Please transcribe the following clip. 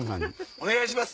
お願いします！